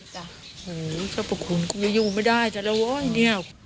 เฮ่ยเจ้าประคุณอย่ายูงไม่ได้จะแล้วว้าวอันเงียบ